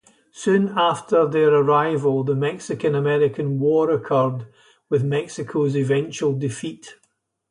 Soon after their arrival, the Mexican-American War occurred, with Mexico's eventual defeat.